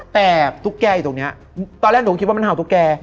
แต่ตุ๊กแกอยู่ตรงนี้ตอนแรกหนูก็คิดว่ามันเห่าตุ๊กแก